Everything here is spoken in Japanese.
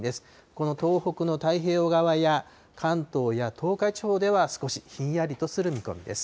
この東北の太平洋側や、関東や東海地方では、少しひんやりとする見込みです。